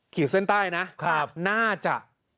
ขีดเส้นใต้นะน่าจะ